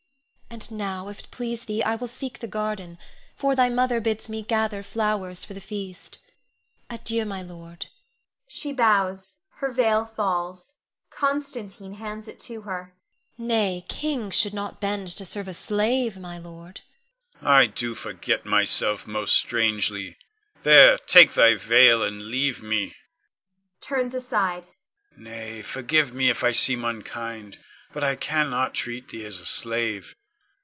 And now, if it please thee, I will seek the garden; for thy mother bid me gather flowers for the feast. Adieu, my lord! [She bows, her veil falls; Constantine hands it to her.] Nay, kings should not bend to serve a slave, my lord. Con. I do forget myself most strangely. There, take thy veil, and leave me [turns aside]. Nay, forgive me if I seem unkind, but I cannot treat thee as a slave.